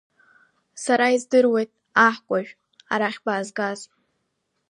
Сара издыруеит, аҳкәажә, арахь баазгаз…